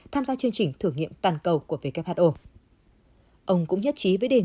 tham gia chương trình thử nghiệm toàn cầu của who